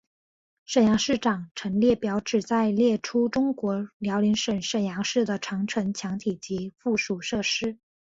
沈阳市长城列表旨在列出中国辽宁省沈阳市的长城墙体及附属设施。